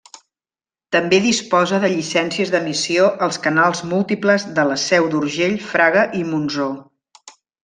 També disposa de llicències d'emissió als canals múltiples de La Seu d'Urgell, Fraga i Monsó.